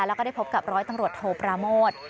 แล้วก็ได้พบกับร้อยตำรวจโทปราโมท